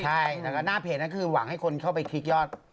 ใช่แล้วก็หน้าเพจนั้นคือหวังให้คนเข้าไปคลิกยอด